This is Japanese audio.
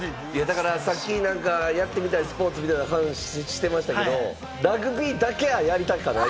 さっき、やってみたいスポーツみたいな話してましたけれども、ラグビーだけは、やりたくない。